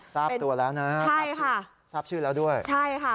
ทราบตัวแล้วนะใช่ค่ะทราบชื่อแล้วด้วยใช่ค่ะ